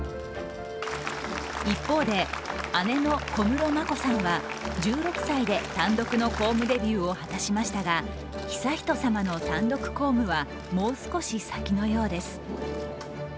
一方で、姉の小室眞子さんは１６歳で単独の公務デビューを果たしましたが悠仁さまの単独公務はもう少し先のようです。